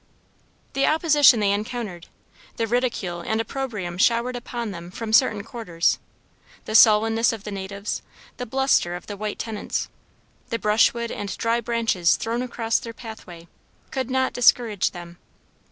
The opposition they encountered, the ridicule and opprobrium showered upon them from certain quarters, the sullenness of the natives, the bluster of the white tenants, the brushwood and dry branches thrown across their pathway, could not discourage them.